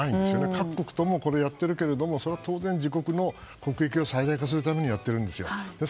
各国ともやってるけれども当然、自国の国益を最大化するためにやってるんですよ。